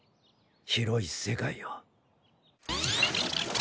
広い世界を。